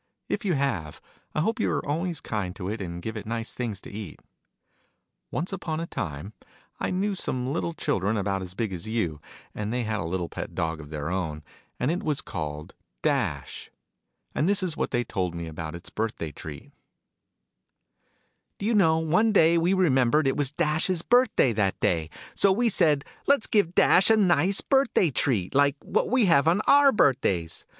If you have, I hope you're always kind to it, and give it nice things to eat. Once upon a time, I knew some little children, about as big as you ; and they had a little pet dog of their own ; and it was called Dash. And this is what they told me about its birthday treat. "Ho you know, one day we remembered it was Dash s birthday that day. So we said ' Let's give Dash a nice birthday treat, like what we have on our birthdays !